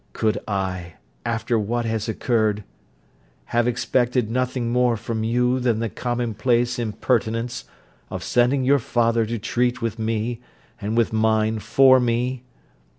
Could I, after what has occurred, have expected nothing more from you than the common place impertinence of sending your father to treat with me, and with mine, for me?